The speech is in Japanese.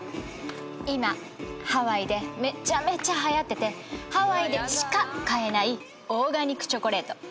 今ハワイでめちゃめちゃはやっててハワイでしか買えないオーガニックチョコレート。